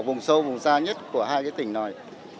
vùng sâu vùng xa nhất của hai tỉnh này